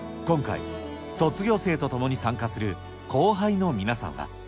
今回、卒業生と共に参加する後輩の皆さんは。